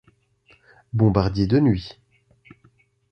Bombardier de nuit.